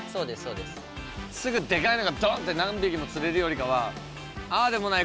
すぐデカいのがドンって何匹も釣れるよりかはああでもない